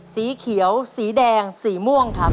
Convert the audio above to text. สีเขียวสีแดงสีม่วงครับ